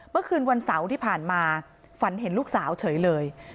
เมื่อคืนวันเสาร์ที่ผ่านมาฝันเห็นลูกสาวเฉยเลย